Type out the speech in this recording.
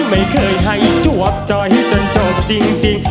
ไม่เคยให้จวบจอยจนจบจริง